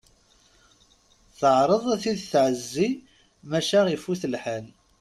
Teɛreḍ ad t-id-tɛezzi maca ifut lḥal.